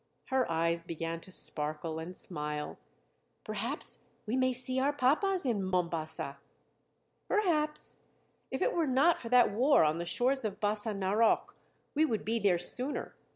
Her eyes began to sparkle and smile: "Perhaps we may see our papas in Mombasa." "Perhaps. If it were not for that war on the shores of Bassa Narok, we would be there sooner.